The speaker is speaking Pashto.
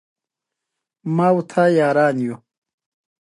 ایا ایچ آی وي مو معاینه کړی دی؟